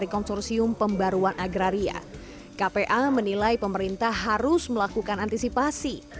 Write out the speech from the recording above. kepala kpa menilai pemerintah harus melakukan antisipasi